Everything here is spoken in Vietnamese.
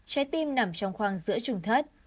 trái tim nằm trong khoang giữa trùng thất